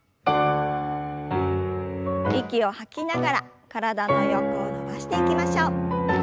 息を吐きながら体の横を伸ばしていきましょう。